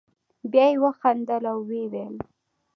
بیا یې وخندل او ویې ویل.